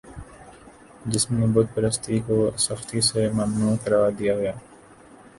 جس میں بت پرستی کو سختی سے ممنوع قرار دیا گیا